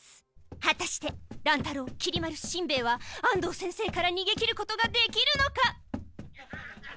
はたして乱太郎きり丸しんべヱは安藤先生からにげきることができるのか！